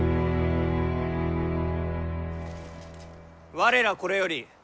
我らこれより本領